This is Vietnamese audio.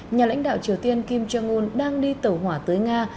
nhà lãnh đạo triều tiên kim jong un đang đi tẩu hỏa tới nga